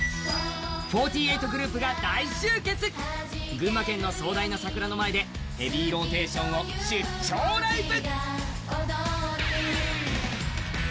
群馬県の壮大な桜の前で「ヘビーローテーション」を出張ライブ。